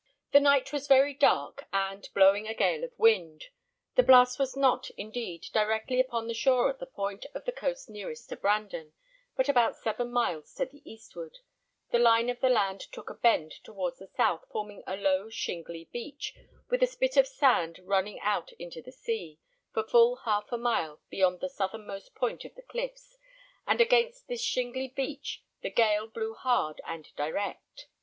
The night was very dark, and, blowing a gale of wind. The blast was not, indeed, directly upon the shore at the point of the coast nearest to Brandon; but about seven miles to the eastward, the line of the land took a bend towards the south, forming a low shingly beach, with a spit of sand running out into the sea, for full half a mile beyond the southernmost point of the cliffs, and against this shingly beach the gale blew hard and direct.